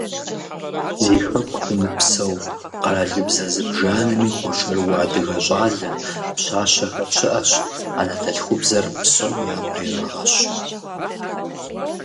Зи Хэку щымыпсэу, къэралыбзэ зыбжанэми хуэшэрыуэ адыгэ щӀалэ, пщащэхэр щыӀэщ, анэдэлъхубзэр псом япэ ирагъэщу.